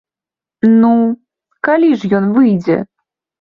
Ну, калі ж ён выйдзе?